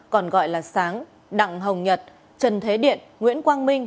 còn gọi là sáng đặng hồng nhật trần thế điện nguyễn quang minh